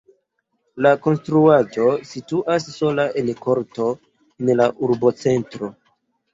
La konstruaĵo situas sola en korto en la urbocentro.